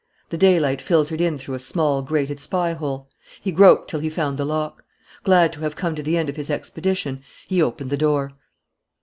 The daylight filtered in through a small, grated spy hole. He groped till he found the lock. Glad to have come to the end of his expedition, he opened the door.